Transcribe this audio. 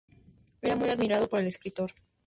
Era muy admirado por el escritor